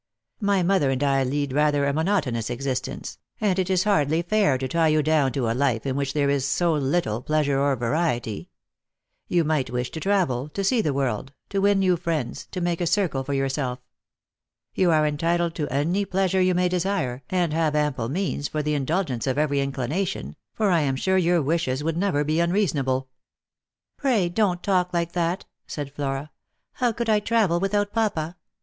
My mother and I lead rather a monotonous exist ence, and it is hardly fair to tie you down to a life in which there is so iritle pleasure or variety. You might wish to travel, to see the world, to win new friends, to make a circle for your self. You are entitled to any pleasure you may desire, and have ample means for the indulgence of every inclination, for I am sure your wishes would never be unreasonable." " Pray don't talk like that," said Flora; "how could I travel without papa